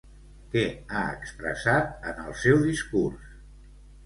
Què ha expressat en el seu discurs?